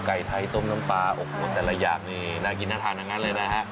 ไก่ไทยต้มน้ำปลาโอ้โหแต่ละอย่างนี่น่ากินน่าทานทั้งนั้นเลยนะฮะ